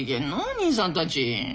兄さんたち。